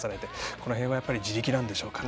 この辺は地力なんでしょうかね。